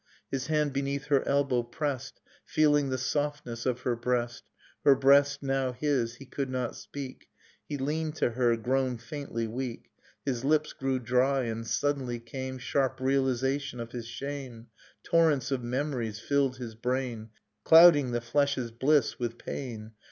His hand beneath her elbow pressed. Feeling the softness of her breast, Her breast now his; he could not speak; He leaned to her, grown faintly weak; His Hps grew dry; and suddenly came Sharp realization of his shame, Torrents of memories filled his brain Clouding the flesh's bliss with pain.